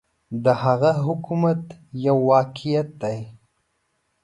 د هغه حکومت یو واقعیت دی.